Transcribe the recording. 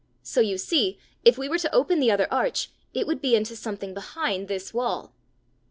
So you see if we were to open the other arch, it would be into something behind this wall."